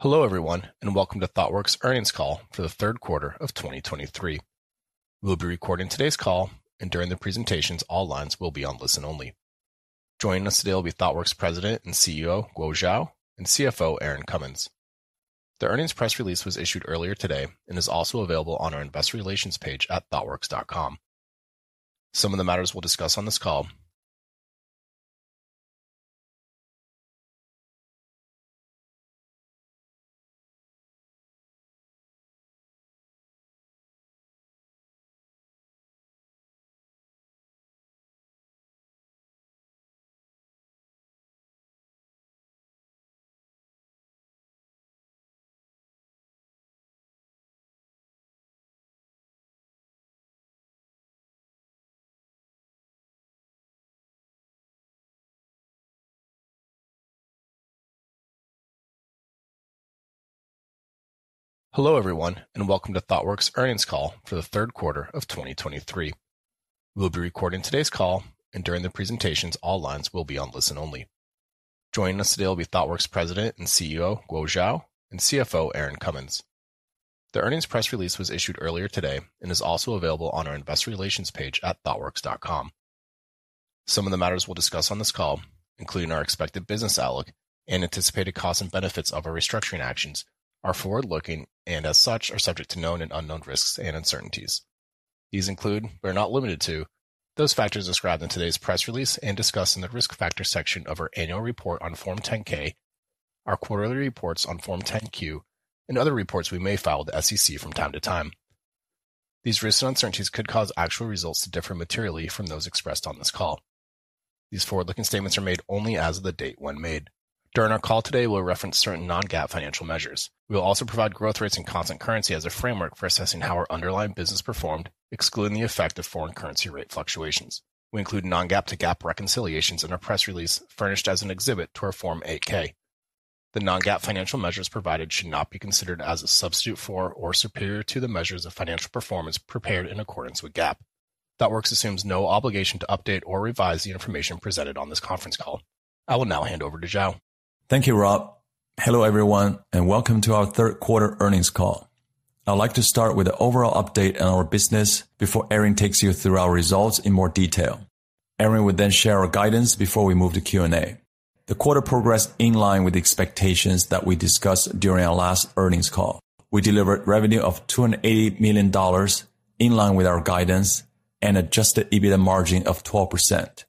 Hello, everyone, and welcome to Thoughtworks' earnings call for the third quarter of 2023. We'll be recording today's call, and during the presentations, all lines will be on listen only. Joining us today will be Thoughtworks President and CEO, Guo Xiao, and CFO, Erin Cummins. The earnings press release was issued earlier today and is also available on our Investor Relations page at thoughtworks.com. Some of the matters we'll discuss on this call... Some of the matters we'll discuss on this call, including our expected business outlook and anticipated costs and benefits of our restructuring actions, are forward-looking and as such, are subject to known and unknown risks and uncertainties. These include, but are not limited to, those factors described in today's press release and discussed in the Risk Factors section of our annual report on Form 10-K, our quarterly reports on Form 10-Q, and other reports we may file with the SEC from time to time. These risks and uncertainties could cause actual results to differ materially from those expressed on this call. These forward-looking statements are made only as of the date when made. During our call today, we'll reference certain non-GAAP financial measures. We will also provide growth rates and constant currency as a framework for assessing how our underlying business performed, excluding the effect of foreign currency rate fluctuations. We include non-GAAP to GAAP reconciliations in our press release, furnished as an exhibit to our Form 8-K. The non-GAAP financial measures provided should not be considered as a substitute for or superior to the measures of financial performance prepared in accordance with GAAP. Thoughtworks assumes no obligation to update or revise the information presented on this conference call. I will now hand over to Xiao. Thank you, Rob. Hello, everyone, and welcome to our third quarter earnings call. I'd like to start with an overall update on our business before Erin takes you through our results in more detail. Erin will then share our guidance before we move to Q&A. The quarter progressed in line with the expectations that we discussed during our last earnings call. We delivered revenue of $280 million, in line with our guidance and adjusted EBITDA margin of 12%,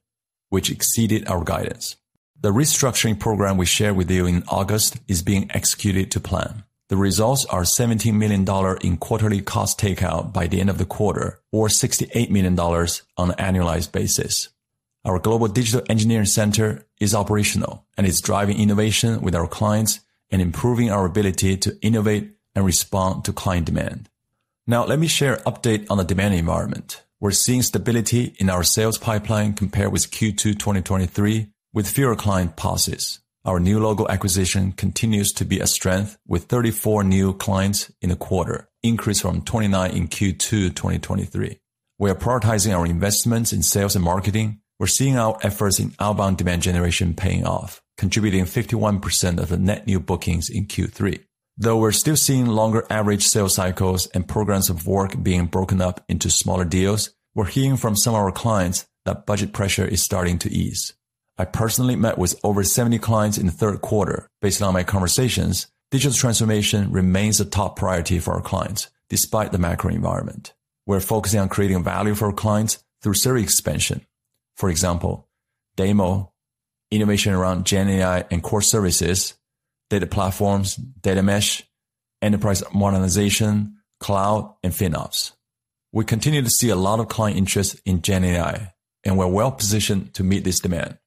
which exceeded our guidance. The restructuring program we shared with you in August is being executed to plan. The results are $17 million in quarterly cost takeout by the end of the quarter, or $68 million on an annualized global Digital Engineering Center is operational and is driving innovation with our clients and improving our ability to innovate and respond to client demand. Now, let me share an update on the demand environment. We're seeing stability in our sales pipeline compared with Q2 2023, with fewer client pauses. Our new logo acquisition continues to be a strength with 34 new clients in a quarter, increased from 29 in Q2 2023. We are prioritizing our investments in sales and marketing. We're seeing our efforts in outbound demand generation paying off, contributing 51% of the net new bookings in Q3. Though we're still seeing longer average sales cycles and programs of work being broken up into smaller deals, we're hearing from some of our clients that budget pressure is starting to ease. I personally met with over 70 clients in the third quarter. Based on my conversations, digital transformation remains a top priority for our clients, despite the macro environment. We're focusing on creating value for our clients through service expansion. For example, DAMO, innovation around GenAI and core services, data platforms, data mesh, enterprise modernization, cloud, and FinOps. We continue to see a lot of client interest in GenAI, and we're well-positioned to meet this demand.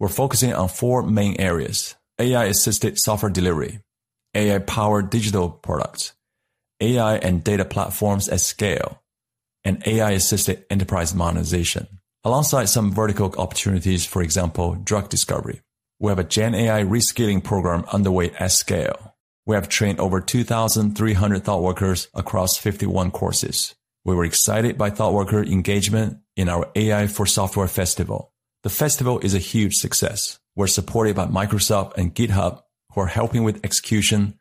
We're focusing on four main areas: AI-assisted software delivery, AI-powered digital products, AI and data platforms at scale, and AI-assisted enterprise monetization, alongside some vertical opportunities, for example, drug discovery. We have a GenAI reskilling program underway at scale. We have trained over 2,300 Thoughtworkers across 51 courses. We were excited by Thoughtworker engagement in our AI for Software Festival. The festival is a huge success. We're supported by Microsoft and GitHub, who are helping with execution,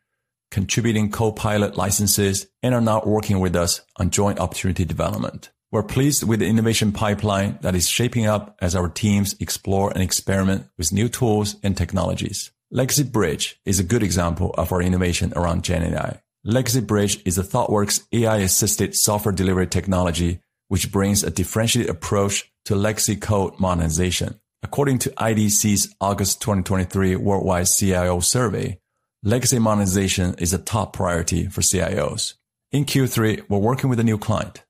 contributing Copilot licenses, and are now working with us on joint opportunity development. We're pleased with the innovation pipeline that is shaping up as our teams explore and experiment with new tools and technologies. Legacy Bridge is a good example of our innovation around GenAI. Legacy Bridge is a Thoughtworks AI-assisted software delivery technology, which brings a differentiated approach to legacy code monetization. According to IDC's August 2023 Worldwide CIO Survey, legacy monetization is a top priority for CIOs. In Q3, we're working with a new client,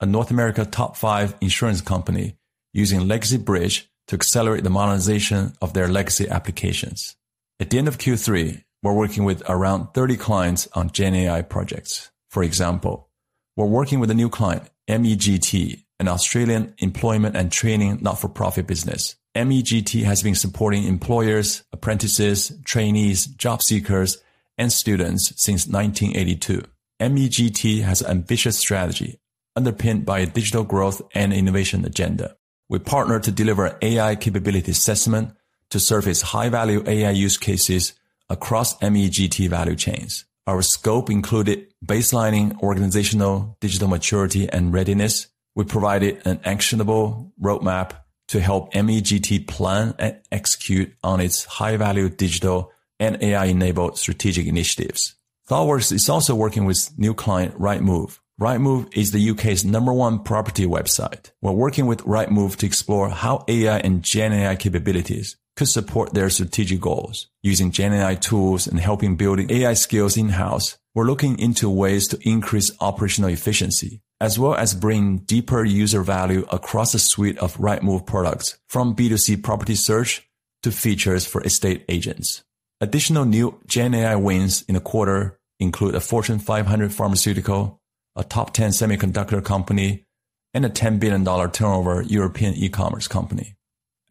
a North America top five insurance company, using Legacy Bridge to accelerate the monetization of their legacy applications. At the end of Q3, we're working with around 30 clients on GenAI projects. For example, we're working with a new client, MEGT, an Australian employment and training, not-for-profit business. MEGT has been supporting employers, apprentices, trainees, job seekers, and students since 1982. MEGT has an ambitious strategy underpinned by a digital growth and innovation agenda. We partnered to deliver AI capability assessment to surface high-value AI use cases across MEGT value chains. Our scope included baselining organizational digital maturity and readiness. We provided an actionable roadmap to help MEGT plan and execute on its high-value digital and AI-enabled strategic initiatives. Thoughtworks is also working with new client, Rightmove. Rightmove is the U.K.'s number one property website. We're working with Rightmove to explore how AI and GenAI capabilities could support their strategic goals, using GenAI tools and helping building AI skills in-house. We're looking into ways to increase operational efficiency, as well as bring deeper user value across a suite of Rightmove products, from B2C property search to features for estate agents. Additional new GenAI wins in the quarter include a Fortune 500 pharmaceutical, a top 10 semiconductor company, and a $10 billion turnover European e-commerce company.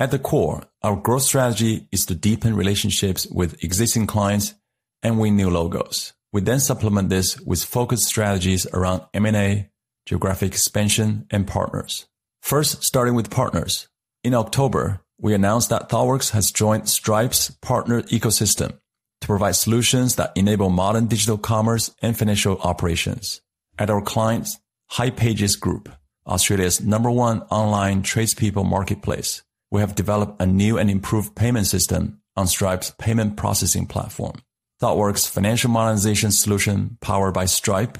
At the core, our growth strategy is to deepen relationships with existing clients and win new logos. We then supplement this with focused strategies around M&A, geographic expansion, and partners. First, starting with partners. In October, we announced that Thoughtworks has joined Stripe's partner ecosystem to provide solutions that enable modern digital commerce and financial operations. At our client's hipages Group, Australia's number one online tradespeople marketplace, we have developed a new and improved payment system on Stripe's payment processing platform. Thoughtworks' financial modernization solution, powered by Stripe,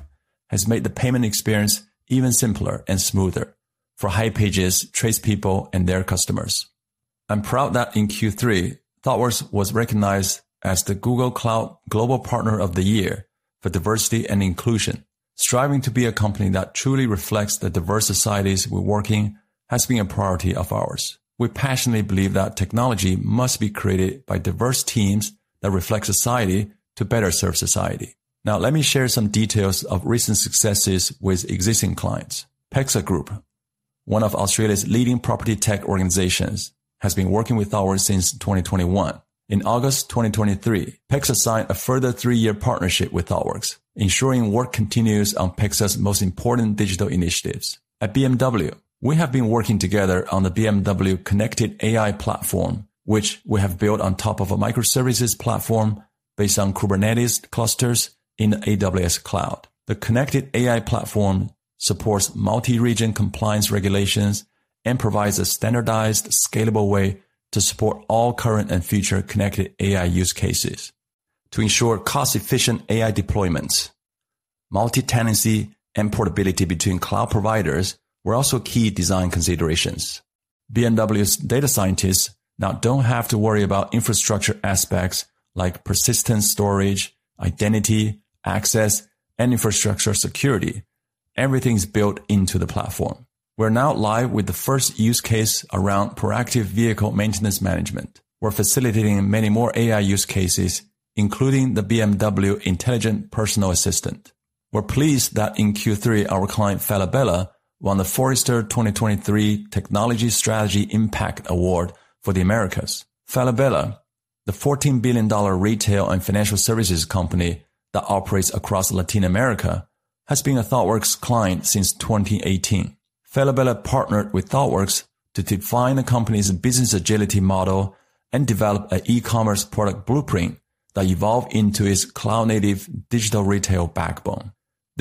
has made the payment experience even simpler and smoother for hipages, tradespeople, and their customers. I'm proud that in Q3, Thoughtworks was recognized as the Google Cloud Global Partner of the Year for Diversity and Inclusion. Striving to be a company that truly reflects the diverse societies we're working has been a priority of ours. We passionately believe that technology must be created by diverse teams that reflect society to better serve society. Now, let me share some details of recent successes with existing clients. PEXA Group, one of Australia's leading property tech organizations, has been working with Thoughtworks since 2021. In August 2023, PEXA signed a further three-year partnership with Thoughtworks, ensuring work continues on PEXA's most important digital initiatives. At BMW, we have been working together on the BMW Connected AI platform, which we have built on top of a microservices platform based on Kubernetes clusters in AWS Cloud. The Connected AI platform supports multi-region compliance regulations and provides a standardized, scalable way to support all current and future Connected AI use cases. To ensure cost-efficient AI deployments, multitenancy and portability between cloud providers were also key design considerations. BMW's data scientists now don't have to worry about infrastructure aspects like persistent storage, identity, access, and infrastructure security. Everything's built into the platform. We're now live with the first use case around proactive vehicle maintenance management. We're facilitating many more AI use cases, including the BMW Intelligent Personal Assistant. We're pleased that in Q3, our client, Falabella, won the Forrester 2023 Technology Strategy Impact Award for the Americas. Falabella, the $14 billion retail and financial services company that operates across Latin America, has been a Thoughtworks client since 2018. Falabella partnered with Thoughtworks to define the company's business agility model and develop an e-commerce product blueprint that evolved into its cloud-native digital retail backbone.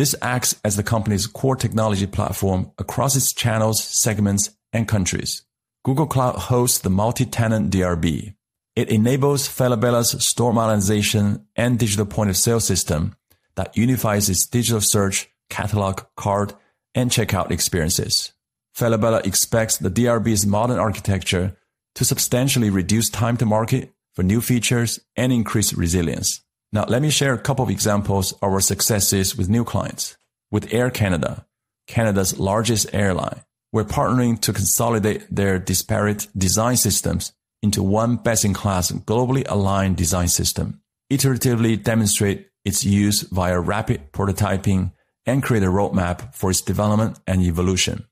This acts as the company's core technology platform across its channels, segments, and countries. Google Cloud hosts the multi-tenant DRB. It enables Falabella's store modernization and digital point-of-sale system that unifies its digital search, catalog, cart, and checkout experiences. Falabella expects the DRB's modern architecture to substantially reduce time to market for new features and increase resilience. Now, let me share a couple of examples of our successes with new clients. With Air Canada, Canada's largest airline, we're partnering to consolidate their disparate design systems into one best-in-class, globally aligned design system, iteratively demonstrate its use via rapid prototyping, and create a roadmap for its development and evolution.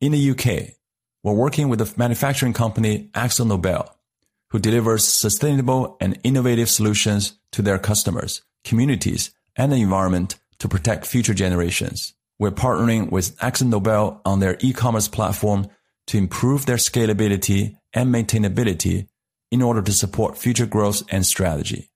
In the U.K., we're working with the manufacturing company, AkzoNobel, who delivers sustainable and innovative solutions to their customers, communities, and the environment to protect future generations. We're partnering with AkzoNobel on their e-commerce platform to improve their scalability and maintainability in order to support future growth and strategy.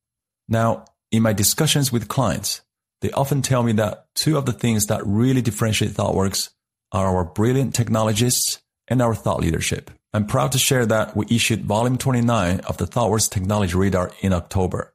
Now, in my discussions with clients, they often tell me that two of the things that really differentiate Thoughtworks are our brilliant technologists and our thought leadership. I'm proud to share that we issued volume 29 of the Thoughtworks Technology Radar in October,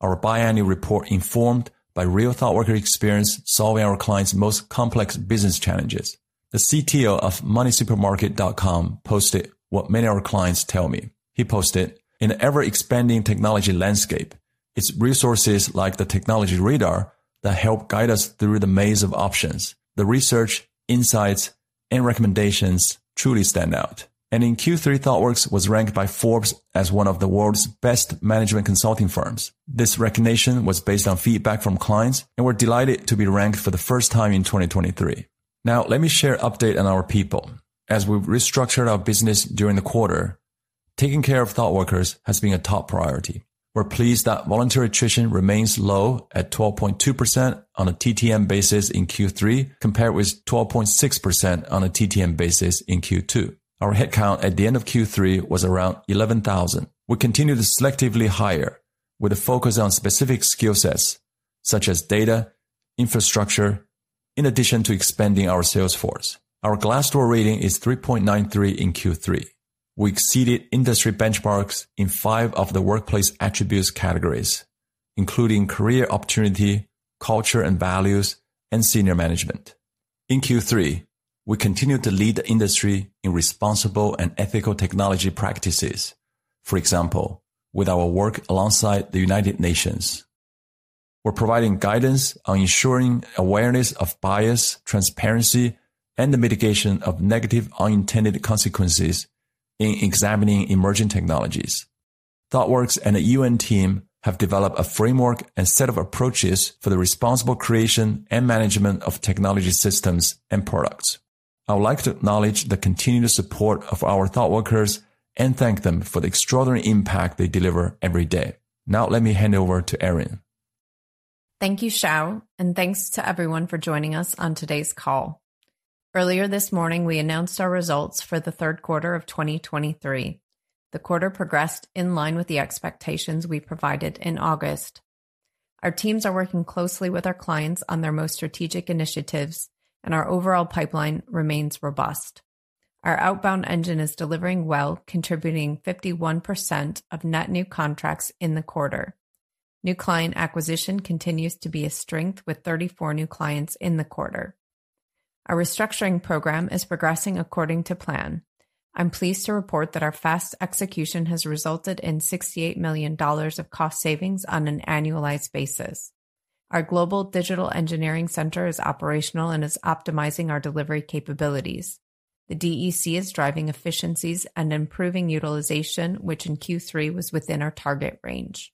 our biannual report informed by real Thoughtworker experience, solving our clients' most complex business challenges. The CTO of MoneySuperMarket.com posted what many of our clients tell me. He posted: "In the ever-expanding technology landscape, it's resources like the Technology Radar that help guide us through the maze of options. The research, insights, and recommendations truly stand out." In Q3, Thoughtworks was ranked by Forbes as one of the world's best management consulting firms. This recognition was based on feedback from clients, and we're delighted to be ranked for the first time in 2023. Now, let me share update on our people. As we've restructured our business during the quarter, taking care of Thoughtworkers has been a top priority. We're pleased that voluntary attrition remains low at 12.2% on a TTM basis in Q3, compared with 12.6% on a TTM basis in Q2. Our headcount at the end of Q3 was around 11,000. We continue to selectively hire, with a focus on specific skill sets such as data, infrastructure, in addition to expanding our sales force. Our Glassdoor rating is 3.93 in Q3. We exceeded industry benchmarks in five of the workplace attributes categories, including career opportunity, culture and values, and senior management. In Q3, we continued to lead the industry in responsible and ethical technology practices. For example, with our work alongside the United Nations. We're providing guidance on ensuring awareness of bias, transparency, and the mitigation of negative unintended consequences in examining emerging technologies. Thoughtworks and the UN team have developed a framework and set of approaches for the responsible creation and management of technology systems and products. I would like to acknowledge the continued support of our Thoughtworkers and thank them for the extraordinary impact they deliver every day. Now let me hand over to Erin. Thank you, Xiao, and thanks to everyone for joining us on today's call. Earlier this morning, we announced our results for the third quarter of 2023. The quarter progressed in line with the expectations we provided in August. Our teams are working closely with our clients on their most strategic initiatives, and our overall pipeline remains robust. Our outbound engine is delivering well, contributing 51% of net new contracts in the quarter. New client acquisition continues to be a strength, with 34 new clients in the quarter. Our restructuring program is progressing according to plan. I'm pleased to report that our fast execution has resulted in $68 million of cost savings on an annualized global Digital Engineering Center is operational and is optimizing our delivery capabilities. The DEC is driving efficiencies and improving utilization, which in Q3 was within our target range.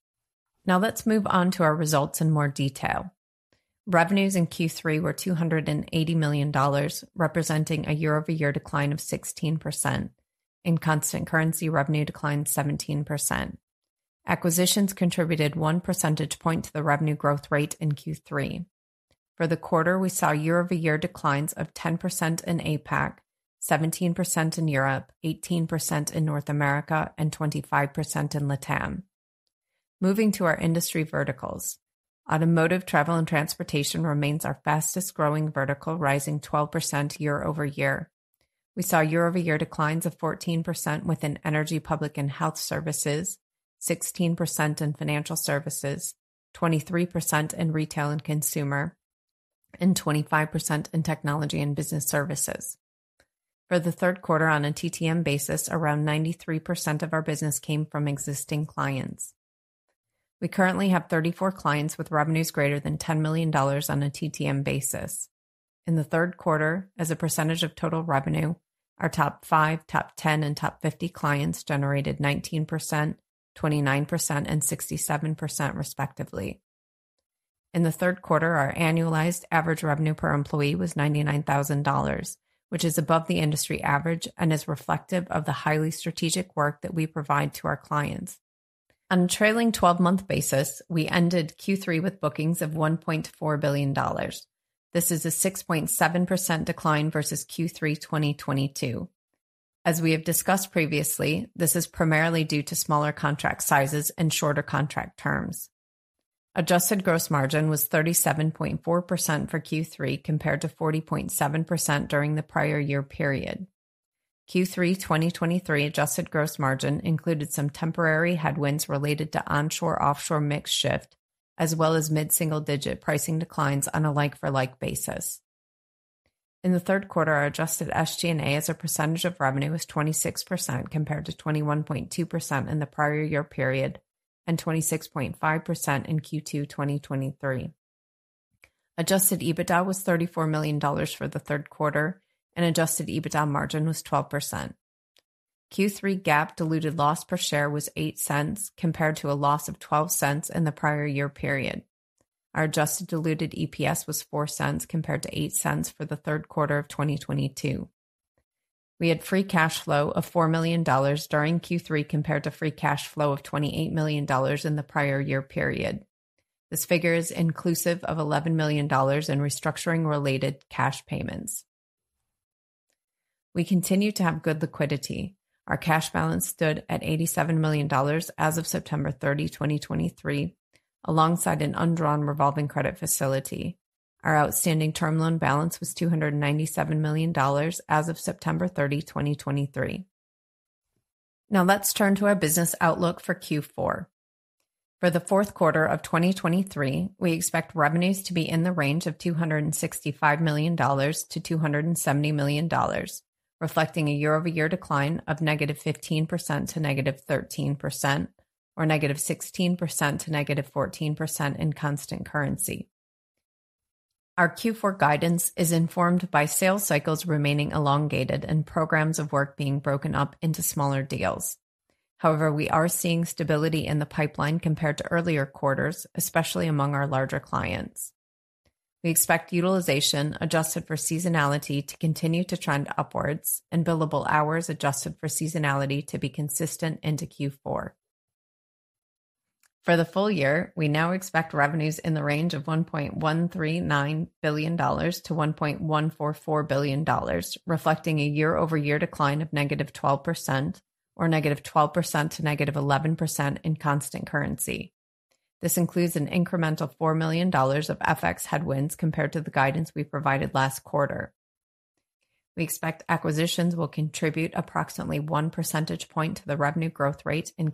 Now let's move on to our results in more detail. Revenues in Q3 were $280 million, representing a year-over-year decline of 16%. In constant currency, revenue declined 17%. Acquisitions contributed 1 percentage point to the revenue growth rate in Q3. For the quarter, we saw year-over-year declines of 10% in APAC, 17% in Europe, 18% in North America, and 25% in LatAm. Moving to our industry verticals. Automotive travel and transportation remains our fastest-growing vertical, rising 12% year-over-year. We saw year-over-year declines of 14% within energy, public, and health services, 16% in financial services, 23% in retail and consumer, and 25% in technology and business services. For the third quarter on a TTM basis, around 93% of our business came from existing clients. We currently have 34 clients with revenues greater than $10 million on a TTM basis. In the third quarter, as a percentage of total revenue, our top five, top 10, and top 50 clients generated 19%, 29%, and 67%, respectively. In the third quarter, our annualized average revenue per employee was $99,000, which is above the industry average and is reflective of the highly strategic work that we provide to our clients. On a trailing-twelve-month basis, we ended Q3 with bookings of $1.4 billion. This is a 6.7% decline versus Q3 2022. As we have discussed previously, this is primarily due to smaller contract sizes and shorter contract terms. Adjusted gross margin was 37.4% for Q3, compared to 40.7% during the prior year period. Q3 2023 adjusted gross margin included some temporary headwinds related to onshore-offshore mix shift, as well as mid-single-digit pricing declines on a like-for-like basis. In the third quarter, our adjusted SG&A, as a percentage of revenue, was 26%, compared to 21.2% in the prior year period, and 26.5% in Q2 2023. Adjusted EBITDA was $34 million for the third quarter, and adjusted EBITDA margin was 12%. Q3 GAAP diluted loss per share was $0.08, compared to a loss of $0.12 in the prior year period. Our adjusted diluted EPS was $0.04, compared to $0.08 for the third quarter of 2022. We had free cash flow of $4 million during Q3, compared to free cash flow of $28 million in the prior year period. This figure is inclusive of $11 million in restructuring-related cash payments. We continue to have good liquidity. Our cash balance stood at $87 million as of September 30, 2023, alongside an undrawn revolving credit facility. Our outstanding term loan balance was $297 million as of September 30, 2023. Now, let's turn to our business outlook for Q4. For the fourth quarter of 2023, we expect revenues to be in the range of $265 million-$270 million, reflecting a year-over-year decline of -15% to -13% or -16% to -14% in constant currency. Our Q4 guidance is informed by sales cycles remaining elongated and programs of work being broken up into smaller deals. However, we are seeing stability in the pipeline compared to earlier quarters, especially among our larger clients. We expect utilization adjusted for seasonality to continue to trend upwards and billable hours adjusted for seasonality to be consistent into Q4. For the full-year, we now expect revenues in the range of $1.139 billion-$1.144 billion, reflecting a year-over-year decline of -12% or -12% to -11% in constant currency. This includes an incremental $4 million of FX headwinds compared to the guidance we provided last quarter. We expect acquisitions will contribute approximately 1 percentage point to the revenue growth rate in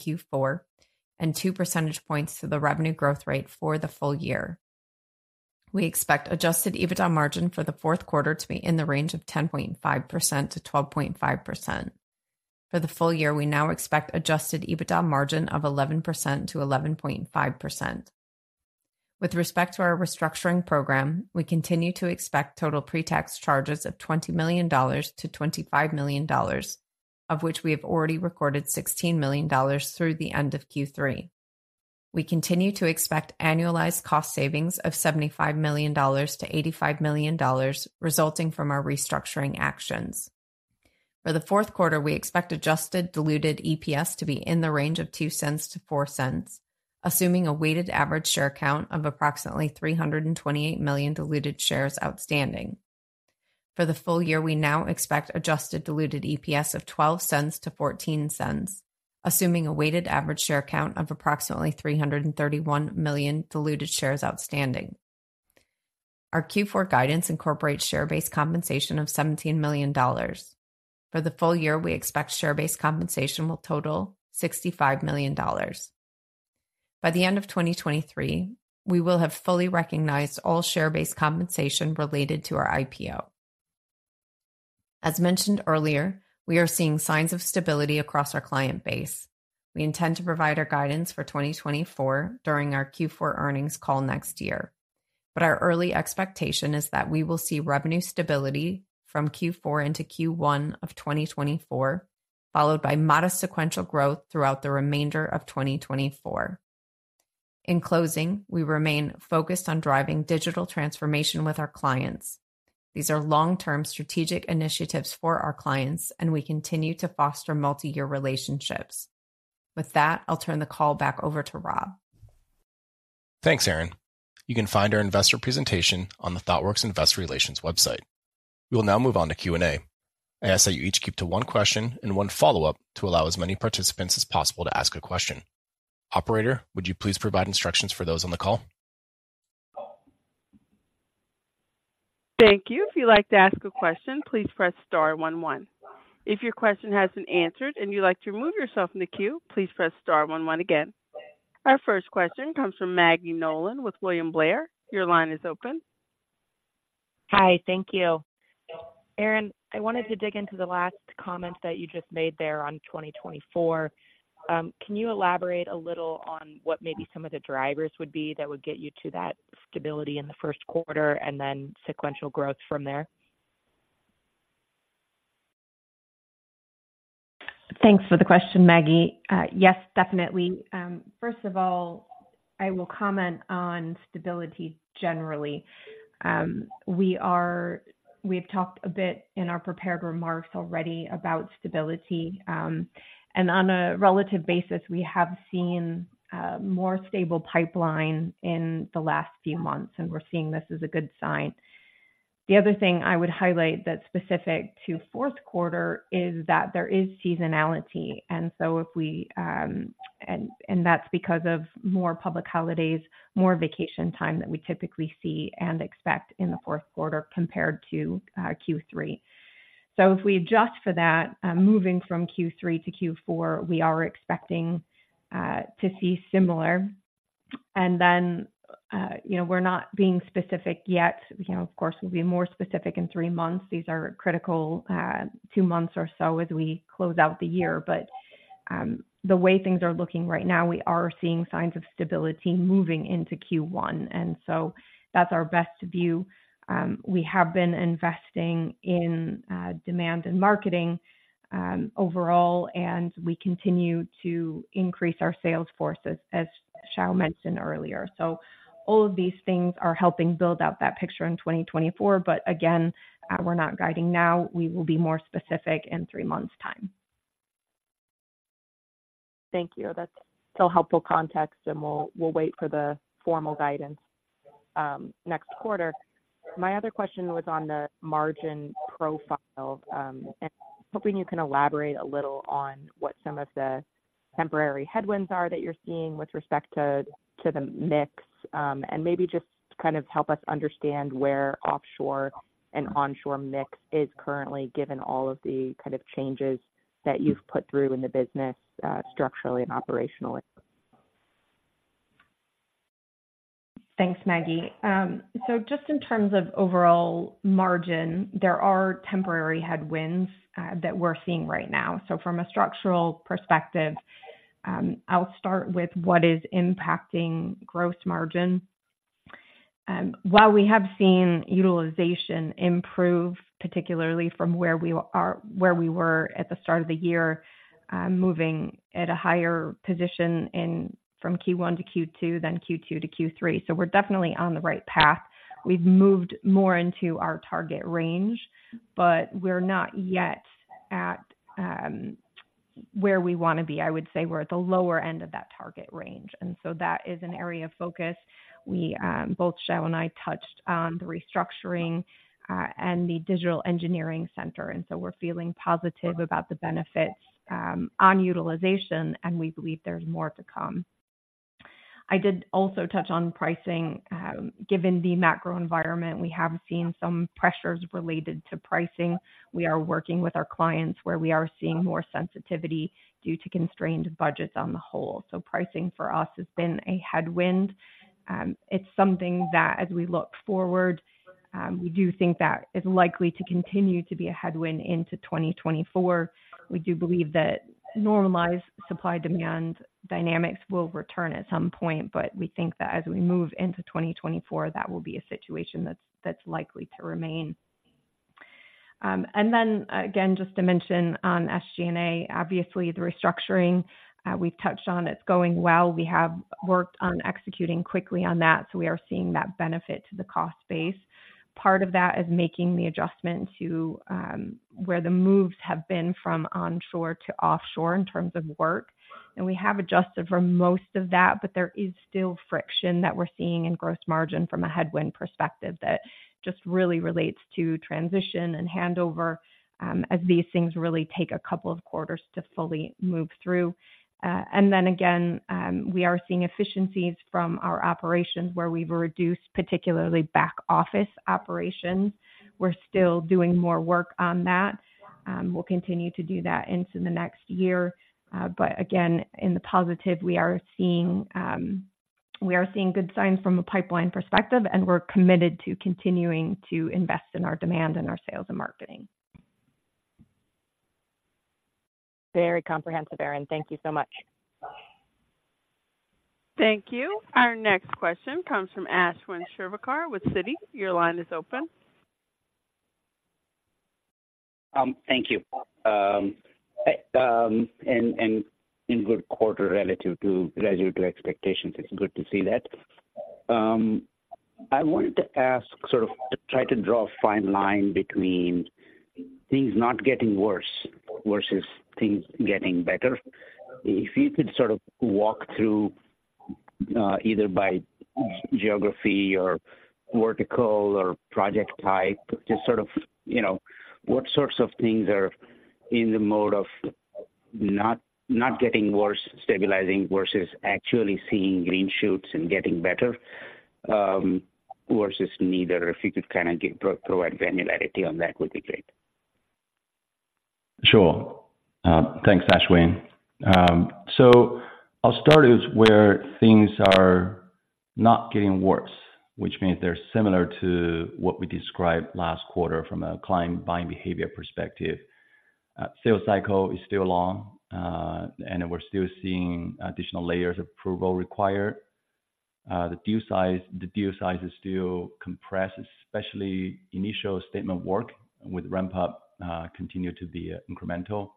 Q4, and 2 percentage points to the revenue growth rate for the full-year. We expect adjusted EBITDA margin for the fourth quarter to be in the range of 10.5%-12.5%. For the full-year, we now expect adjusted EBITDA margin of 11%-11.5%. With respect to our restructuring program, we continue to expect total pre-tax charges of $20 million-$25 million, of which we have already recorded $16 million through the end of Q3. We continue to expect annualized cost savings of $75 million-$85 million, resulting from our restructuring actions. For the fourth quarter, we expect adjusted diluted EPS to be in the range of $0.02-$0.04, assuming a weighted average share count of approximately 328 million diluted shares outstanding. For the full-year, we now expect adjusted diluted EPS of $0.12-$0.14, assuming a weighted average share count of approximately 331 million diluted shares outstanding. Our Q4 guidance incorporates share-based compensation of $17 million. For the full-year, we expect share-based compensation will total $65 million. By the end of 2023, we will have fully recognized all share-based compensation related to our IPO. As mentioned earlier, we are seeing signs of stability across our client base. We intend to provide our guidance for 2024 during our Q4 earnings call next year. But our early expectation is that we will see revenue stability from Q4 into Q1 of 2024, followed by modest sequential growth throughout the remainder of 2024. In closing, we remain focused on driving digital transformation with our clients. These are long-term strategic initiatives for our clients, and we continue to foster multi-year relationships. With that, I'll turn the call back over to Rob. Thanks, Erin. You can find our investor presentation on the Thoughtworks Investor Relations website. We will now move on to Q&A. I ask that you each keep to one question and one follow-up to allow as many participants as possible to ask a question. Operator, would you please provide instructions for those on the call? Thank you. If you'd like to ask a question, please press star one, one. If your question has been answered and you'd like to remove yourself from the queue, please press star one one again. Our first question comes from Maggie Nolan with William Blair. Your line is open. Hi, thank you. Erin, I wanted to dig into the last comment that you just made there on 2024. Can you elaborate a little on what maybe some of the drivers would be that would get you to that stability in the first quarter and then sequential growth from there? Thanks for the question, Maggie. Yes, definitely. First of all, I will comment on stability generally. We've talked a bit in our prepared remarks already about stability, and on a relative basis, we have seen more stable pipeline in the last few months, and we're seeing this as a good sign. The other thing I would highlight that's specific to fourth quarter is that there is seasonality, and that's because of more public holidays, more vacation time than we typically see and expect in the fourth quarter compared to Q3. So if we adjust for that, moving from Q3 to Q4, we are expecting to see similar. And then, you know, we're not being specific yet. You know, of course, we'll be more specific in three months. These are critical, two months or so as we close out the year. But, the way things are looking right now, we are seeing signs of stability moving into Q1, and so that's our best view. We have been investing in, demand and marketing, overall, and we continue to increase our sales forces, as Xiao mentioned earlier. So all of these things are helping build out that picture in 2024, but again, we're not guiding now. We will be more specific in three months time. Thank you. That's still helpful context, and we'll wait for the formal guidance next quarter. My other question was on the margin profile. I'm hoping you can elaborate a little on what some of the temporary headwinds are that you're seeing with respect to the mix, and maybe just kind of help us understand where offshore and onshore mix is currently, given all of the kind of changes that you've put through in the business, structurally and operationally. Thanks, Maggie. Just in terms of overall margin, there are temporary headwinds that we're seeing right now. From a structural perspective, I'll start with what is impacting gross margin. While we have seen utilization improve, particularly from where we were at the start of the year, moving at a higher position in from Q1 to Q2, then Q2 to Q3. We're definitely on the right path. We've moved more into our target range, but we're not yet-... at where we want to be. I would say we're at the lower end of that target range, and so that is an area of focus. We both Xiao and I touched on the restructuring and the Digital Engineering Center, and so we're feeling positive about the benefits on utilization, and we believe there's more to come. I did also touch on pricing. Given the macro environment, we have seen some pressures related to pricing. We are working with our clients, where we are seeing more sensitivity due to constrained budgets on the whole. So pricing for us has been a headwind. It's something that as we look forward, we do think that is likely to continue to be a headwind into 2024. We do believe that normalized supply-demand dynamics will return at some point, but we think that as we move into 2024, that will be a situation that's likely to remain. And then again, just to mention on SG&A, obviously, the restructuring we've touched on, it's going well. We have worked on executing quickly on that, so we are seeing that benefit to the cost base. Part of that is making the adjustment to where the moves have been from onshore to offshore in terms of work. And we have adjusted for most of that, but there is still friction that we're seeing in gross margin from a headwind perspective that just really relates to transition and handover, as these things really take a couple of quarters to fully move through. And then again, we are seeing efficiencies from our operations, where we've reduced, particularly back-office operations. We're still doing more work on that. We'll continue to do that into the next year. But again, in the positive, we are seeing good signs from a pipeline perspective, and we're committed to continuing to invest in our demand and our sales and marketing. Very comprehensive, Erin. Thank you so much. Thank you. Our next question comes from Ashwin Shirvaikar with Citi. Your line is open. Thank you. A good quarter relative to expectations. It's good to see that. I wanted to ask, sort of, to try to draw a fine line between things not getting worse versus things getting better. If you could sort of walk through, either by geography or vertical or project type, just sort of, you know, what sorts of things are in the mode of not getting worse, stabilizing, versus actually seeing green shoots and getting better, versus neither. If you could kinda give, provide granularity on that would be great. Sure. Thanks, Ashwin. So I'll start with where things are not getting worse, which means they're similar to what we described last quarter from a client buying behavior perspective. Sales cycle is still long, and we're still seeing additional layers of approval required. The deal size, the deal size is still compressed, especially initial statement work with ramp-up, continue to be incremental.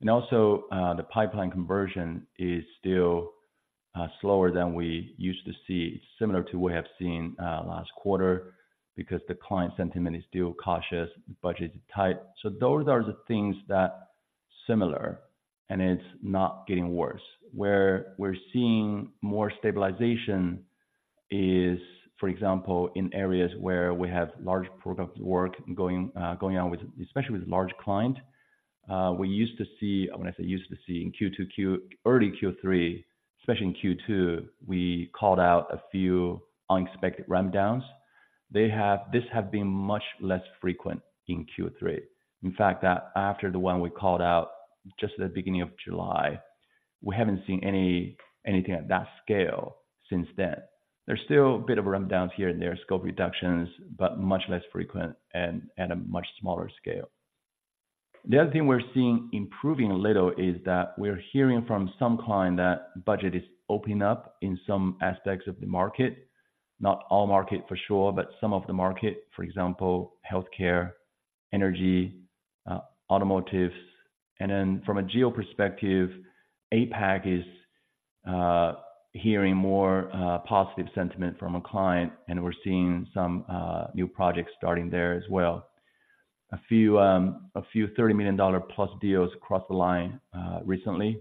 And also, the pipeline conversion is still slower than we used to see, similar to what I've seen last quarter, because the client sentiment is still cautious, budgets are tight. So those are the things that similar, and it's not getting worse. Where we're seeing more stabilization is, for example, in areas where we have large product work going, going on with, especially with large client. We used to see, when I say used to see, in Q2, early Q3, especially in Q2, we called out a few unexpected ramp downs. They have. This have been much less frequent in Q3. In fact, that after the one we called out just at the beginning of July, we haven't seen any, anything at that scale since then. There's still a bit of ramp downs here and there, scope reductions, but much less frequent and at a much smaller scale. The other thing we're seeing improving a little is that we're hearing from some client that budget is opening up in some aspects of the market. Not all market for sure, but some of the market, for example, healthcare, energy, automotives. And then from a geo perspective, APAC is hearing more positive sentiment from a client, and we're seeing some new projects starting there as well. A few, a few $30 million-plus deals across the line recently.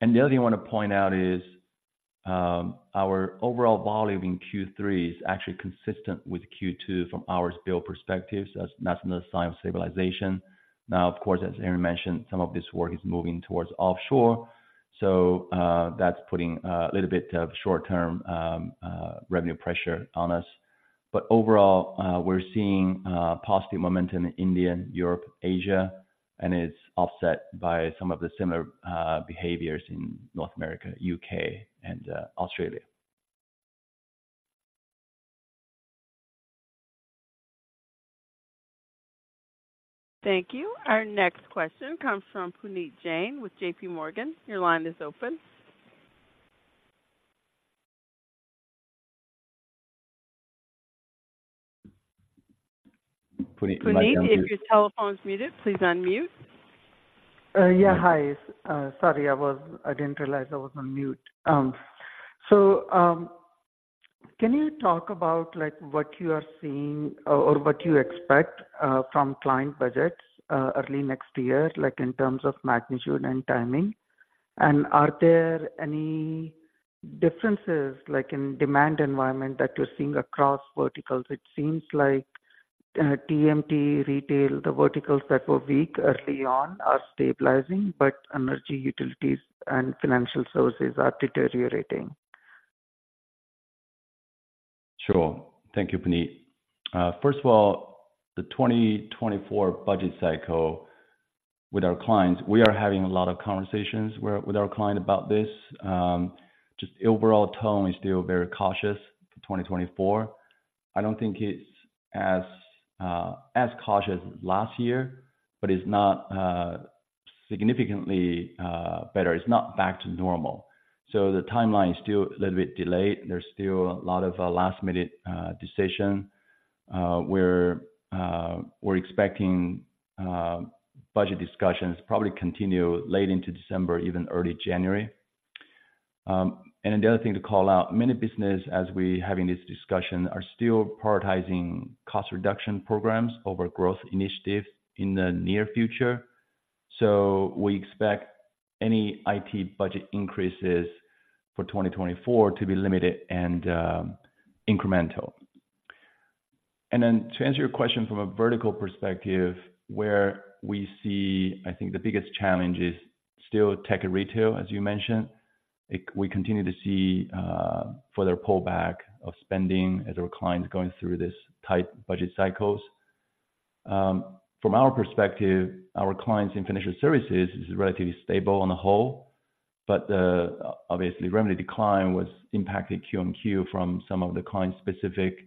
And the other thing I want to point out is our overall volume in Q3 is actually consistent with Q2 from our bill perspective. So that's another sign of stabilization. Now, of course, as Erin mentioned, some of this work is moving towards offshore, so that's putting a little bit of short-term revenue pressure on us. But overall, we're seeing positive momentum in India, Europe, Asia, and it's offset by some of the similar behaviors in North America, U.K., and Australia. Thank you. Our next question comes from Puneet Jain with JPMorgan. Your line is open. Puneet, you might- Puneet, if your telephone is muted, please unmute.... Yeah, hi. Sorry, I was, I didn't realize I was on mute. So, can you talk about, like, what you are seeing or what you expect from client budgets early next year, like, in terms of magnitude and timing? And are there any differences, like in demand environment, that you're seeing across verticals? It seems like TMT, retail, the verticals that were weak early on are stabilizing, but energy, utilities, and financial services are deteriorating. Sure. Thank you, Puneet. First of all, the 2024 budget cycle with our clients, we are having a lot of conversations with, with our client about this. Just the overall tone is still very cautious for 2024. I don't think it's as, as cautious as last year, but it's not, significantly, better. It's not back to normal. So the timeline is still a little bit delayed. There's still a lot of, last-minute, decision. We're, we're expecting, budget discussions probably continue late into December, even early January. And the other thing to call out, many business, as we're having this discussion, are still prioritizing cost reduction programs over growth initiatives in the near future. So we expect any IT budget increases for 2024 to be limited and, incremental. To answer your question from a vertical perspective, where we see, I think the biggest challenge is still tech and retail, as you mentioned. We continue to see further pullback of spending as our clients are going through this tight budget cycles. From our perspective, our clients in financial services is relatively stable on the whole, but the, obviously, revenue decline was impacted Q-on-Q from some of the client-specific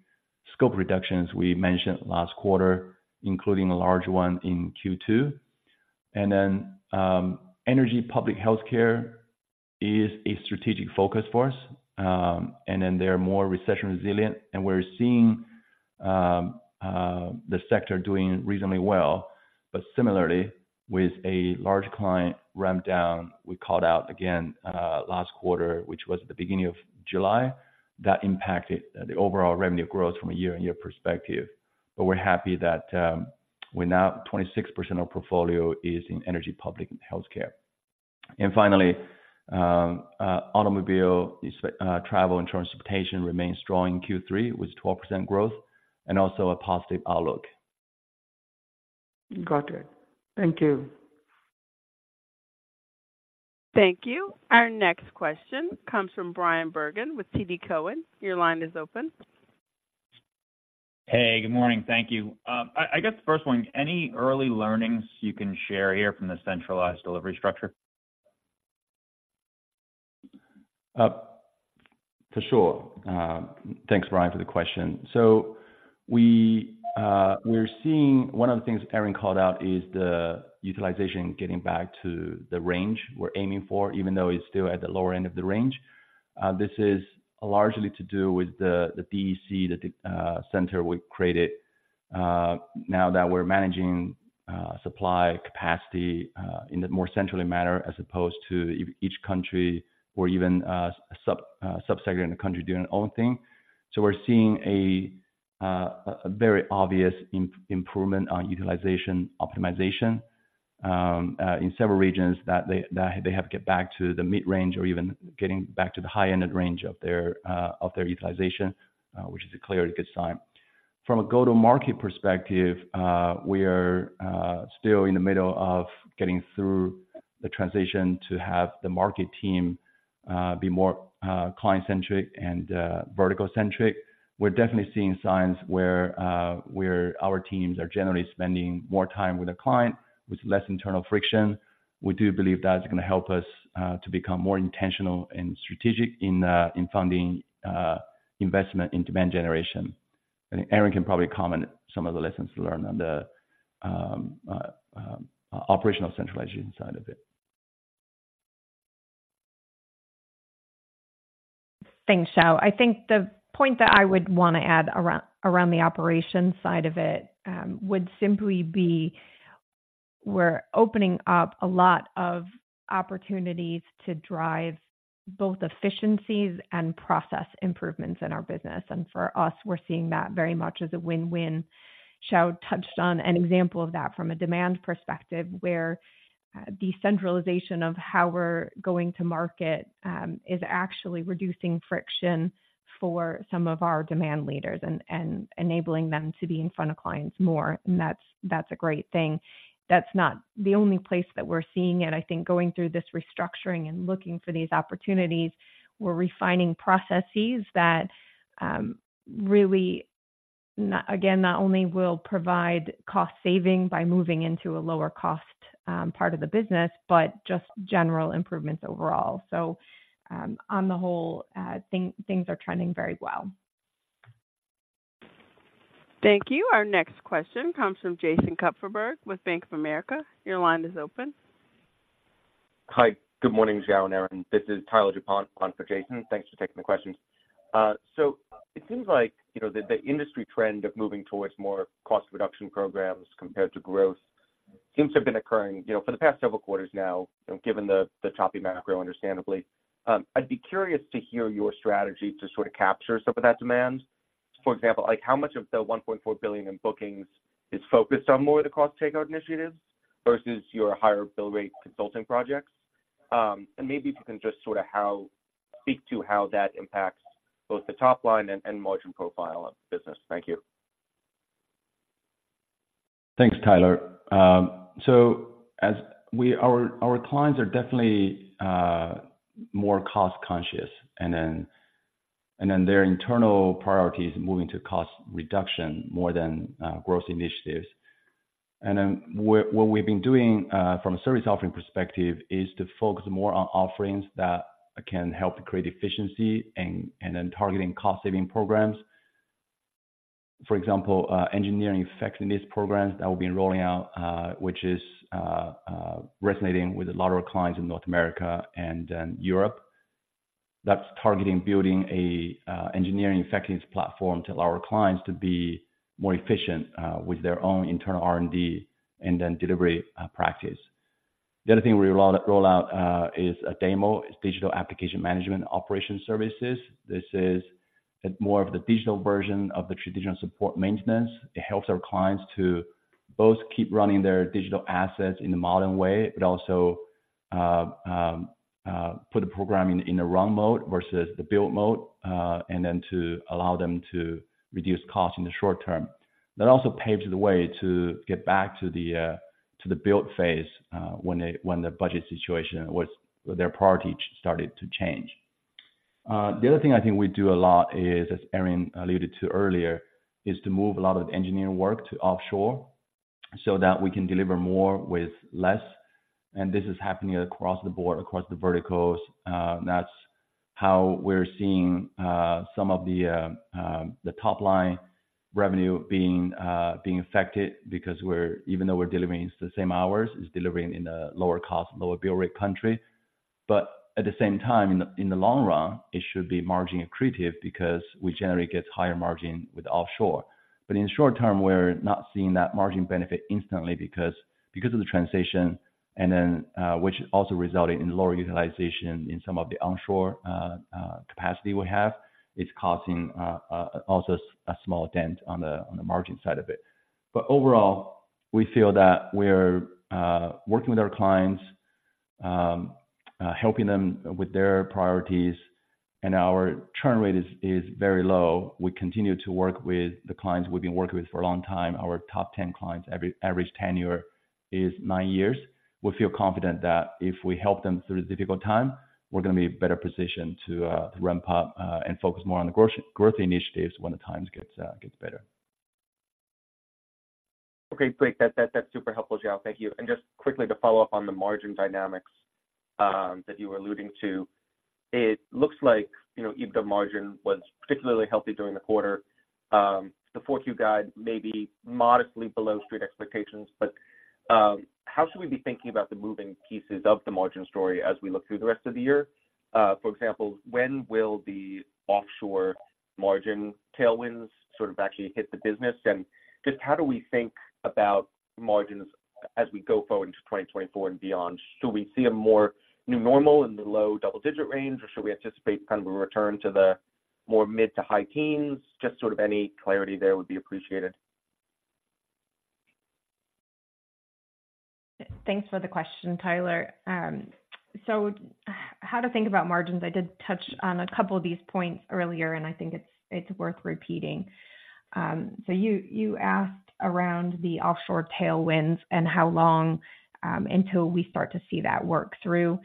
scope reductions we mentioned last quarter, including a large one in Q2. And then, energy public healthcare is a strategic focus for us, and then they are more recession resilient, and we're seeing the sector doing reasonably well. But similarly, with a large client ramp down, we called out again last quarter, which was at the beginning of July, that impacted the overall revenue growth from a year-on-year perspective. But we're happy that we're now 26% of our portfolio is in energy, public, and healthcare. And finally, automobile, travel and transportation remains strong in Q3, with 12% growth and also a positive outlook. Got it. Thank you. Thank you. Our next question comes from Bryan Bergin with TD Cowen. Your line is open. Hey, good morning. Thank you. I guess the first one, any early learnings you can share here from the centralized delivery structure? For sure. Thanks, Brian, for the question. So we're seeing one of the things Erin called out is the utilization getting back to the range we're aiming for, even though it's still at the lower end of the range. This is largely to do with the DEC, the center we created, now that we're managing supply capacity in a more central manner, as opposed to each country or even a sub-sector in the country doing their own thing. So we're seeing a very obvious improvement on utilization optimization in several regions that they have got back to the mid-range or even getting back to the high-ended range of their utilization, which is clearly a good sign. From a go-to-market perspective, we are still in the middle of getting through the transition to have the market team be more client-centric and vertical-centric. We're definitely seeing signs where our teams are generally spending more time with the client, with less internal friction. We do believe that is gonna help us to become more intentional and strategic in funding investment in demand generation. And Erin can probably comment some of the lessons learned on the operational centralization side of it. Thanks, Xiao. I think the point that I would want to add around the operation side of it would simply be, we're opening up a lot of opportunities to drive both efficiencies and process improvements in our business. And for us, we're seeing that very much as a win-win. Xiao touched on an example of that from a demand perspective, where the centralization of how we're going to market is actually reducing friction for some of our demand leaders and enabling them to be in front of clients more. And that's a great thing. That's not the only place that we're seeing it. I think going through this restructuring and looking for these opportunities, we're refining processes that really, not only will provide cost saving by moving into a lower cost part of the business, but just general improvements overall. On the whole, things are trending very well. Thank you. Our next question comes from Jason Kupferberg with Bank of America. Your line is open.... Hi, good morning, Xiao and Erin. This is Tyler DuPont on for Jason. Thanks for taking the questions. So it seems like, you know, the industry trend of moving towards more cost reduction programs compared to growth seems to have been occurring, you know, for the past several quarters now, given the choppy macro, understandably. I'd be curious to hear your strategy to sort of capture some of that demand. For example, like, how much of the $1.4 billion in bookings is focused on more of the cost takeout initiatives versus your higher bill rate consulting projects? And maybe if you can just sort of speak to how that impacts both the top line and margin profile of the business. Thank you. Thanks, Tyler. So as our clients are definitely more cost conscious, and then their internal priority is moving to cost reduction more than growth initiatives. And then what we've been doing from a service offering perspective is to focus more on offerings that can help to create efficiency and then targeting cost saving programs. For example, engineering effectiveness programs that we've been rolling out, which is resonating with a lot of our clients in North America and then Europe. That's targeting building a engineering effectiveness platform to allow our clients to be more efficient with their own internal R&D and then delivery practice. The other thing we roll out is a DAMO, Digital Application Management & Operations services. This is more of the digital version of the traditional support maintenance. It helps our clients to both keep running their digital assets in a modern way, but also, put the program in a run mode versus the build mode, and then to allow them to reduce costs in the short term. That also paves the way to get back to the build phase, when the budget situation was, their priority started to change. The other thing I think we do a lot is, as Erin alluded to earlier, is to move a lot of the engineering work to offshore so that we can deliver more with less, and this is happening across the board, across the verticals. That's how we're seeing some of the top line revenue being affected. Because we're even though we're delivering the same hours is delivering in a lower cost, lower bill rate country. But at the same time, in the long run, it should be margin accretive because we generally get higher margin with offshore. But in the short term, we're not seeing that margin benefit instantly because of the transition, and then which also resulted in lower utilization in some of the onshore capacity we have. It's causing also a small dent on the margin side of it. But overall, we feel that we're working with our clients, helping them with their priorities, and our churn rate is very low. We continue to work with the clients we've been working with for a long time. Our top 10 clients, every average tenure is nine years. We feel confident that if we help them through the difficult time, we're going to be better positioned to ramp up and focus more on the growth, growth initiatives when the times gets gets better. Okay, great. That's super helpful, Xiao. Thank you. Just quickly to follow up on the margin dynamics that you were alluding to. It looks like, you know, EBITDA margin was particularly healthy during the quarter. The Q4 guide may be modestly below street expectations, but how should we be thinking about the moving pieces of the margin story as we look through the rest of the year? For example, when will the offshore margin tailwinds sort of actually hit the business? And just how do we think about margins as we go forward into 2024 and beyond? Should we see a more new normal in the low double digit range, or should we anticipate kind of a return to the more mid to high teens? Just sort of any clarity there would be appreciated. Thanks for the question, Tyler. So how to think about margins, I did touch on a couple of these points earlier, and I think it's worth repeating. So you asked around the offshore tailwinds and how long until we start to see that work through.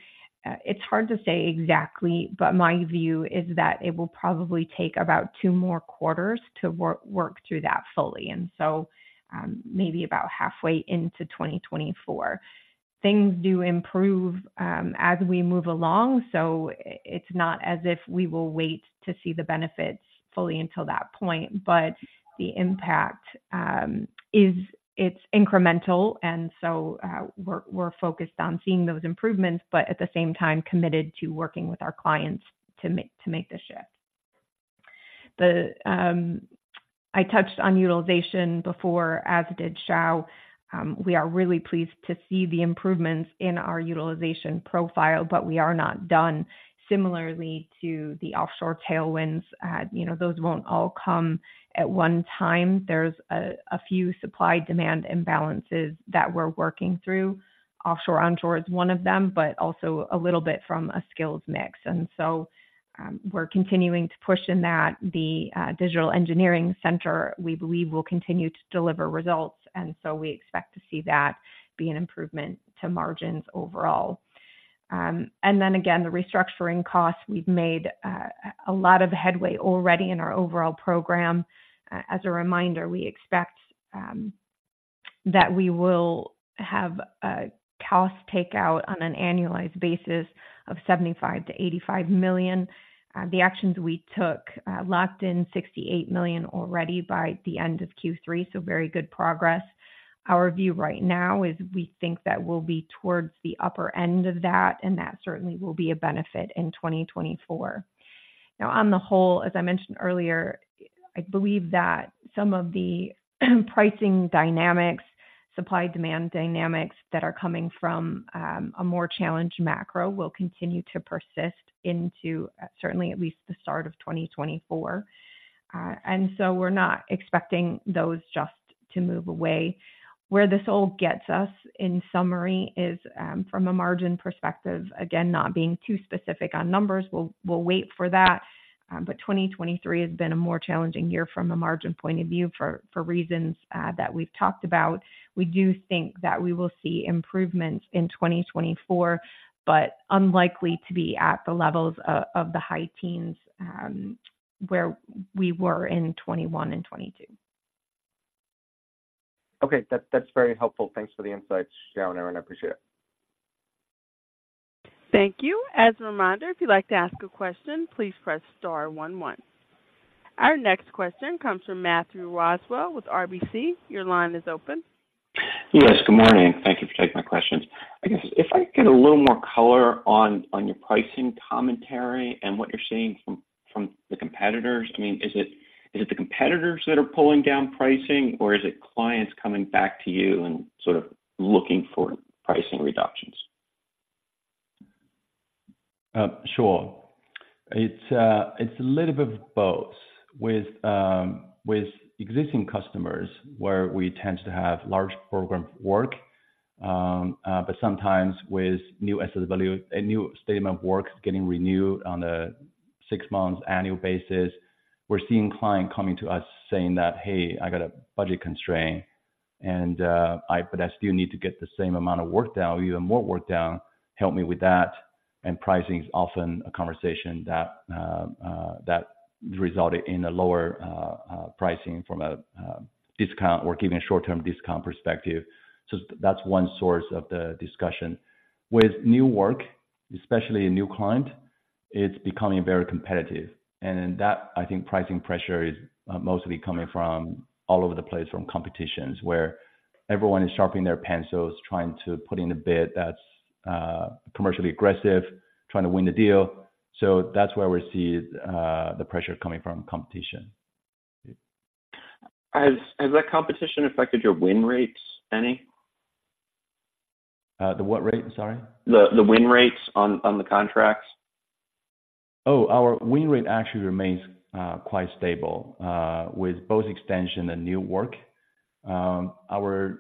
It's hard to say exactly, but my view is that it will probably take about two more quarters to work through that fully, and so, maybe about halfway into 2024. Things do improve as we move along, so it's not as if we will wait to see the benefits fully until that point, but the impact is it's incremental, and so, we're focused on seeing those improvements, but at the same time, committed to working with our clients to make the shift. I touched on utilization before, as did Xiao. We are really pleased to see the improvements in our utilization profile, but we are not done. Similarly to the offshore tailwinds, you know, those won't all come at one time. There's a few supply-demand imbalances that we're working through. Offshore/onshore is one of them, but also a little bit from a skills mix. And so, we're continuing to push in that. The Digital Engineering Center, we believe, will continue to deliver results, and so we expect to see that be an improvement to margins overall. And then again, the restructuring costs. We've made a lot of headway already in our overall program. As a reminder, we expect that we will have a cost takeout on an annualized basis of $75 million-$85 million. The actions we took locked in $68 million already by the end of Q3, so very good progress. Our view right now is we think that we'll be towards the upper end of that, and that certainly will be a benefit in 2024. Now, on the whole, as I mentioned earlier, I believe that some of the pricing dynamics, supply-demand dynamics that are coming from a more challenged macro will continue to persist into, certainly at least the start of 2024. And so we're not expecting those just to move away. Where this all gets us, in summary, is from a margin perspective, again, not being too specific on numbers, we'll wait for that. But 2023 has been a more challenging year from a margin point of view for reasons that we've talked about. We do think that we will see improvements in 2024, but unlikely to be at the levels of the high teens, where we were in 2021 and 2022. Okay. That's, that's very helpful. Thanks for the insights, Xiao and Erin, I appreciate it. Thank you. As a reminder, if you'd like to ask a question, please press star one one. Our next question comes from Matthew Roswell with RBC. Your line is open. Yes, good morning. Thank you for taking my questions. I guess, if I could get a little more color on your pricing commentary and what you're seeing from the competitors. I mean, is it the competitors that are pulling down pricing, or is it clients coming back to you and sort of looking for pricing reductions? Sure. It's a little bit of both. With existing customers, where we tend to have large program work, but sometimes with new SOW, a new statement of work getting renewed on a six-month annual basis, we're seeing clients coming to us saying that, "Hey, I got a budget constraint, and but I still need to get the same amount of work done, even more work done. Help me with that." And pricing is often a conversation that that resulted in a lower pricing from a discount or giving a short-term discount perspective. So that's one source of the discussion. With new work, especially a new client, it's becoming very competitive. And that, I think, pricing pressure is mostly coming from all over the place, from competitions, where everyone is sharpening their pencils, trying to put in a bid that's commercially aggressive, trying to win the deal. So that's where we see the pressure coming from, competition. Has that competition affected your win rates any? The what rate, sorry? The win rates on the contracts. Oh, our win rate actually remains quite stable with both extension and new work. Our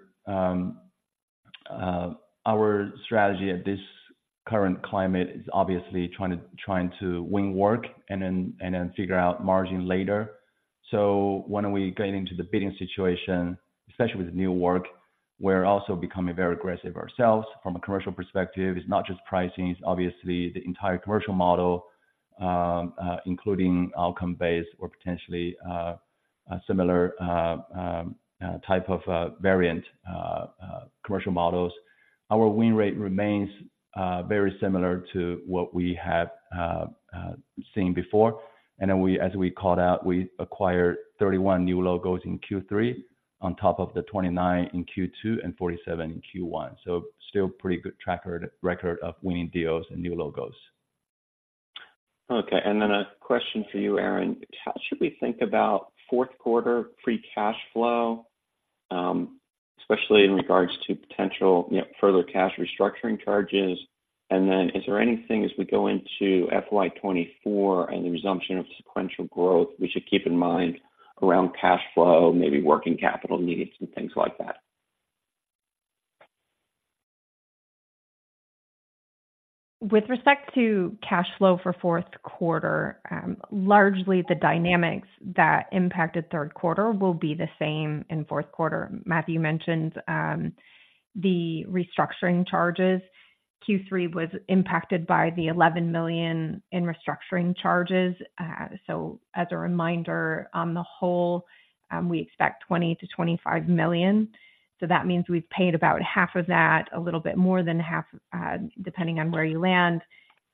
strategy at this current climate is obviously trying to win work and then figure out margin later. So when we get into the bidding situation, especially with new work, we're also becoming very aggressive ourselves. From a commercial perspective, it's not just pricing, it's obviously the entire commercial model, including outcome-based or potentially a similar type of variant commercial models. Our win rate remains very similar to what we have seen before. And then, as we called out, we acquired 31 new logos in Q3, on top of the 29 in Q2 and 47 in Q1. So still pretty good track record of winning deals and new logos. Okay, and then a question for you, Erin. How should we think about fourth quarter free cash flow, especially in regards to potential, you know, further cash restructuring charges? And then is there anything, as we go into FY 2024 and the resumption of sequential growth, we should keep in mind around cash flow, maybe working capital needs and things like that? With respect to cash flow for fourth quarter, largely the dynamics that impacted third quarter will be the same in fourth quarter. Matthew mentioned the restructuring charges. Q3 was impacted by the $11 million in restructuring charges. So as a reminder, on the whole, we expect $20 million-$25 million. So that means we've paid about half of that, a little bit more than half, depending on where you land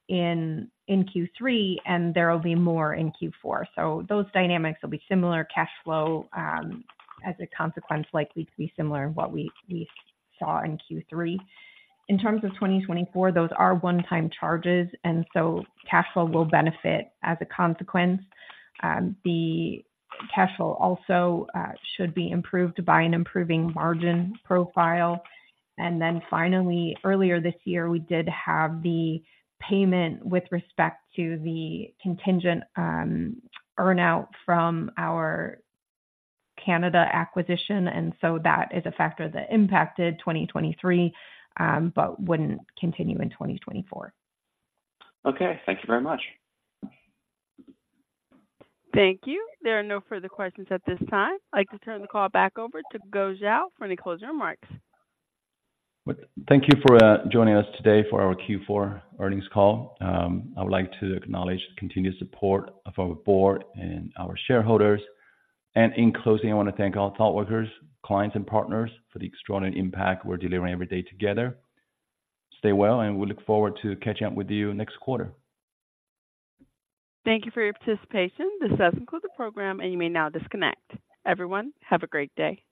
in Q3, and there will be more in Q4. So those dynamics will be similar. Cash flow, as a consequence, likely to be similar to what we saw in Q3. In terms of 2024, those are one-time charges, and so cash flow will benefit as a consequence. The cash flow also should be improved by an improving margin profile. Then finally, earlier this year, we did have the payment with respect to the contingent earn-out from our Canada acquisition, and so that is a factor that impacted 2023, but wouldn't continue in 2024. Okay. Thank you very much. Thank you. There are no further questions at this time. I'd like to turn the call back over to Guo Xiao for any closing remarks. Thank you for joining us today for our Q4 earnings call. I would like to acknowledge the continued support of our board and our shareholders. In closing, I want to thank all Thoughtworkers, clients, and partners for the extraordinary impact we're delivering every day together. Stay well, and we look forward to catching up with you next quarter. Thank you for your participation. This does conclude the program, and you may now disconnect. Everyone, have a great day.